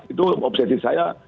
itu obsesi saya